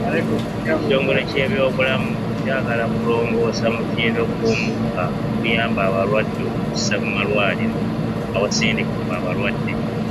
Ekitongole ky'ebyobulamu kyagala kulongoosa mutindo gw'omukka oguyamba abalwadde okussa mu malwaliro awasindikibwa abalwadde